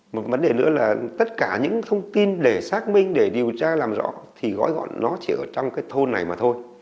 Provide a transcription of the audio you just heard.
một vấn đề nữa là tất cả những thông tin để xác minh để điều tra làm rõ thì gói gọn nó chỉ ở trong cái thôn này mà thôi